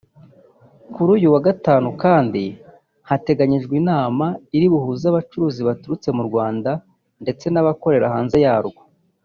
Kuri uyu wa Gatanu kandi hateganyijwe inama iri buhuze abacuruzi baturutse mu Rwanda ndetse n’abakorera hanze yarwo